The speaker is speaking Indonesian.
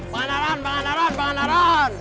banaran banaran banaran